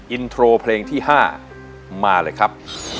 อินโทรเพลงที่๕มาเลยครับ